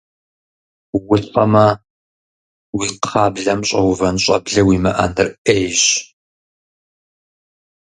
УлӀэмэ, уи кхъаблэм щӀэувэн щӀэблэ уимыӀэныр Ӏейщ.